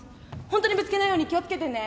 本当にぶつけないように気を付けてね。